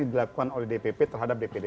yang dilakukan oleh dpp terhadap dpd satu